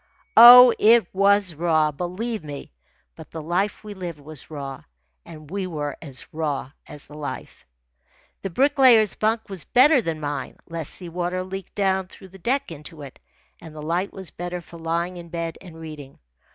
Oh, it was raw, believe me; but the life we lived was raw, and we were as raw as the life. The Bricklayer's bunk was better than mine. Less sea water leaked down through the deck into it, and the light was better for lying in bed and reading.